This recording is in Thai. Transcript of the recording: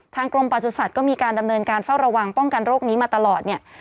กรมประสุทธิ์ก็มีการดำเนินการเฝ้าระวังป้องกันโรคนี้มาตลอดเนี่ย